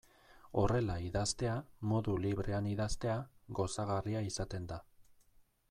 Horrela idaztea, modu librean idaztea, gozagarria izaten da.